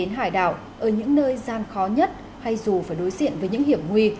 hải đảo ở những nơi gian khó nhất hay dù phải đối diện với những hiểm nguy